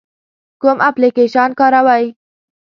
کوم اپلیکیشن کاروئ؟